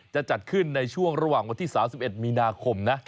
จะจัดขึ้นในช่วงระหว่างวันที่๓๑มีนาคมนะ